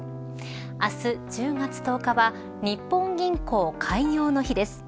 明日１０月１０日は日本銀行開業の日です。